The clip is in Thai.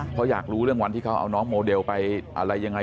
เพราะอยากรู้เรื่องวันที่เขาเอาน้องโมเดลไปอะไรยังไง